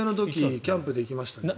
キャンプで行きましたね。